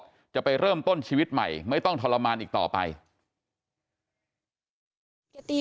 จะไปเริ่มต้นชีวิตใหม่ไม่ต้องทรมานอีกต่อไป